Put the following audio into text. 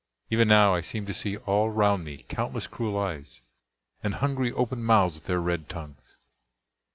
Even now I seem to see all round me countless cruel eyes, and hungry open mouths with their red tongues."